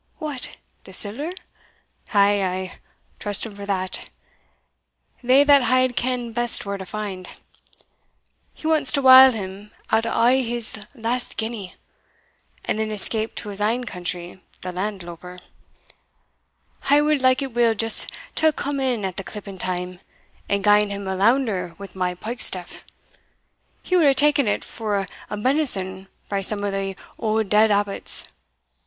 "What! the siller? Ay, ay trust him for that they that hide ken best where to find. He wants to wile him out o' his last guinea, and then escape to his ain country, the land louper. I wad likeit weel just to hae come in at the clipping time, and gien him a lounder wi' my pike staff; he wad hae taen it for a bennison frae some o' the auld dead abbots.